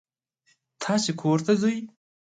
تاسې کور ته ځئ.